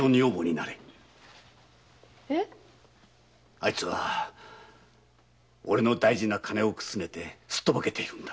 あいつは俺の大事な金をくすねてすっとぼけているんだ！